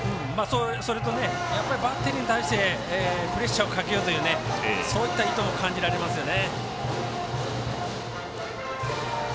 それとバッテリーに対してプレッシャーをかけようというそういった意図も感じられますよね。